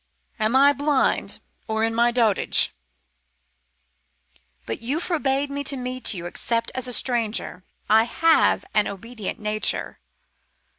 "Am I blind or in my dotage? But you forbade me to meet you except as a stranger. I have an obedient nature."